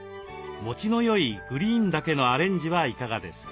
もちのよいグリーンだけのアレンジはいかがですか。